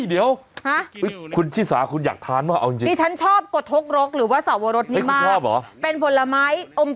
เออลักษณะมันแปลกจริง